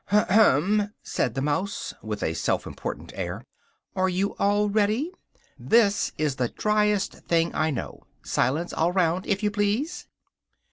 "Ahem!" said the mouse, with a self important air, "are you all ready? This is the driest thing I know. Silence all round, if you please!